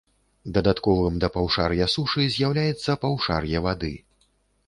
Дадатковым да паўшар'я сушы з'яўляецца паўшар'е вады.